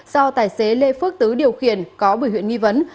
do tài xế lê phước tứ điều khiển có bởi huyện nghi vấn